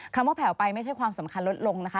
คำว่าแผ่วไปไม่ใช่ความสำคัญลดลงนะคะ